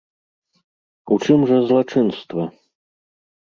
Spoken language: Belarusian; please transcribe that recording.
У чым жа злачынства?